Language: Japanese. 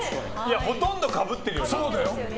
ほとんどかぶってるよな。